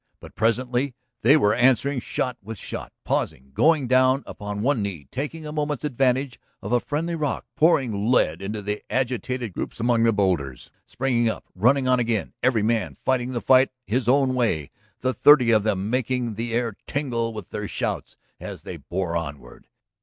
But presently they were answering shot with shot, pausing, going down upon one knee, taking a moment's advantage of a friendly rock, pouring lead into the agitated groups among the boulders, springing up, running on again, every man fighting the fight his own way, the thirty of them making the air tingle with their shouts as they bore onward.